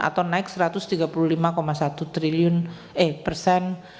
atau naik satu ratus tiga puluh lima satu triliun persen